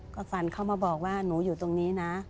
ก็ฝันเข้ามาบอกว่าหนูอยู่ตรงนี้นะ